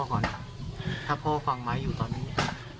มีอะไรอยากบอกแกบ้างครับพ่อข้อก่อน